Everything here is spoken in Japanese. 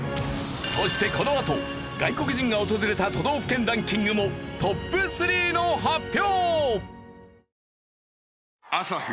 そしてこのあと外国人が訪れた都道府県ランキングもトップ３の発表！